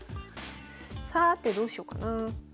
さてどうしようかな。